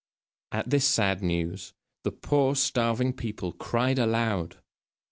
At this sad news, the poor starving people cried aloud.